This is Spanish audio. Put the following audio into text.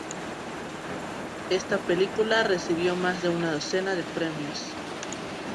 Esta película recibió más de una docena de premios.